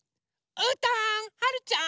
うーたんはるちゃん！